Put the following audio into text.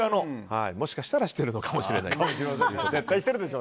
もしかしたらしてるのかもしれません。